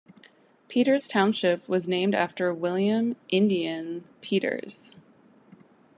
Peters Township was named after William "Indian" Peters.